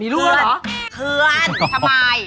มีด้วยเหรอเคือนทำไม